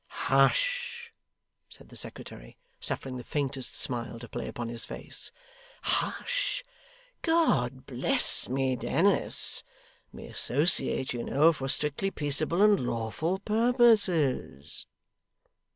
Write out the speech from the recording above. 'Hush!' said the secretary, suffering the faintest smile to play upon his face. 'Hush! God bless me, Dennis! We associate, you know, for strictly peaceable and lawful purposes.